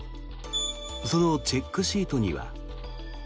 そのチェックシートには。